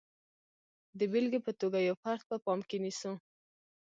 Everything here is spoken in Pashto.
د بېلګې په توګه یو فرد په پام کې نیسو.